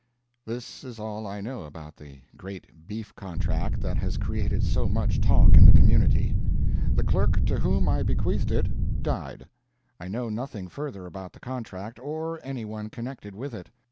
This is all I know about the great beef contract that has created so much talk in the community. The clerk to whom I bequeathed it died. I know nothing further about the contract, or any one connected with it.